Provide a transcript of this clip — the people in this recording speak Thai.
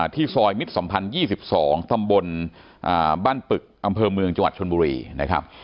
ที่ซอยมิตรสัมพันธ์๒๒ตำบลบ้านปึกอำเภอเมืองจังหวัดชนบุรีนะครับ